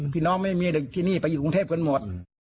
พี่น้องไม่มีที่นี่ไปอยู่กรุงเทพกันหมด